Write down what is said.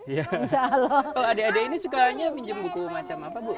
kalau adik adik ini sukanya pinjam buku macam apa bu